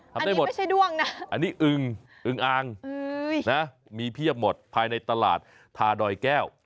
ทำได้หมดอันนี้อึงอึงอางนะมีเพียบหมดภายในตลาดทาดอยแก้ว